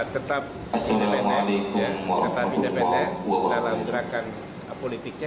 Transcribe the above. tetap independen tetap independen dalam gerakan politiknya